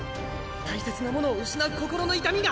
大切なものを失う心の痛みが。